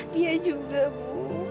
dia juga bu